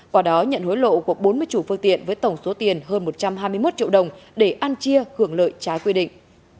quả đó nhận hối lộ của bốn mươi chủ phương tiện với tổng số tiền hơn một trăm hai mươi một triệu đồng để ăn chia hưởng lợi trái quy định